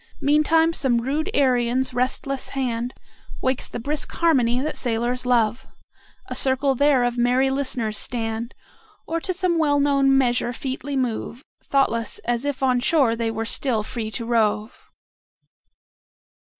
Meantime some rude Arion's restless hand Wakes the brisk harmony that sailors love; A circle there of merry listeners stand, Or to some well known measure featly move Thoughtless as if on shore they still were free to rove."